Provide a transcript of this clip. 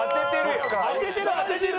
当ててる当ててる！